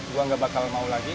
gua nggak bakal mau lagi